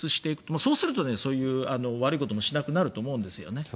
そうすると、そういう悪いこともしなくなると思うんです。